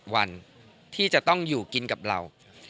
วันที่จะต้องอยู่กินกับเรา